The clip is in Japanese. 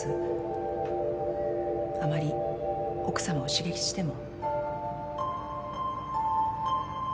あまり奥さまを刺激しても。